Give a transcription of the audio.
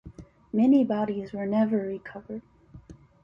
Many bodies were never recovered.